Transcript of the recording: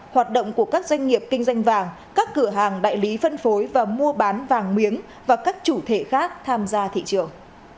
hoạt động của các doanh nghiệp kinh doanh vàng các cửa hàng đại lý phân phối và mua bán vàng miếng và các chủ thể khác tham gia thị trường